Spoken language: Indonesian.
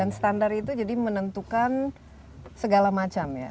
dan standar itu jadi menentukan segala macam ya